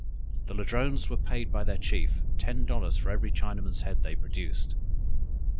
The Ladrones were paid by their chief ten dollars for every Chinaman's head they produced.